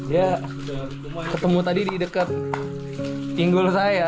ya ketemu tadi di dekat pinggul saya